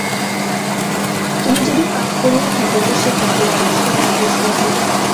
তুমি যদি পাপ করিয়া থাক তো সে পাপের দোষ, তোমার দোষ নহে।